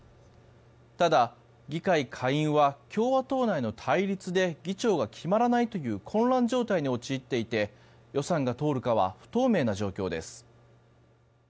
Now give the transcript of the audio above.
ただ、議会下院は共和党内の対立で議長が決まらないという混乱状態に陥っていて予算が通るかは不透明な状況です。